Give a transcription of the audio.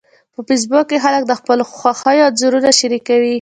په فېسبوک کې خلک د خپلو خوښیو انځورونه شریکوي